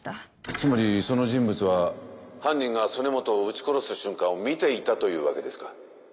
つまりその人物は犯人が曽根本を撃ち殺す瞬間を見ていたというわけですか？